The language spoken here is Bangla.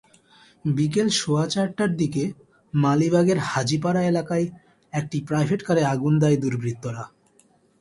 বিকেল সোয়া চারটার দিকে মালিবাগের হাজিপাড়া এলাকায় একটি প্রাইভেটকারে আগুন দেয় দুর্বৃত্তরা।